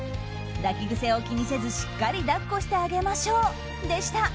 抱き癖を気にせず、しっかり抱っこしてあげましょう、でした。